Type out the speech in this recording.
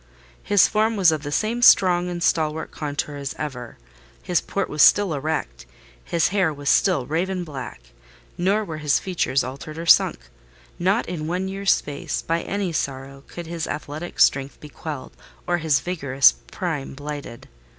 His form was of the same strong and stalwart contour as ever: his port was still erect, his hair was still raven black; nor were his features altered or sunk: not in one year's space, by any sorrow, could his athletic strength be quelled or his vigorous prime blighted.